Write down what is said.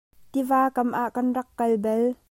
Tiva kam ah kan rak kal bal.